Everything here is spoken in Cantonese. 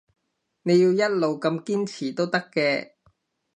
你要一路咁堅持都得嘅